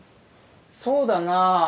そうだな。